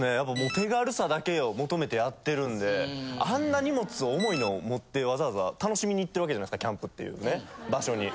手軽さだけを求めてやってるんであんな荷物重いのを持ってわざわざ楽しみに行ってる訳じゃないすかキャンプっていうね場所に。